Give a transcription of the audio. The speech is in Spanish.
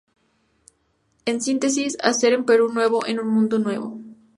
En síntesis: hacer un Perú nuevo en un mundo nuevo.